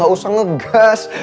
gak usah ngegas